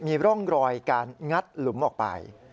มีร่องรอยการงัดหลุมออกไป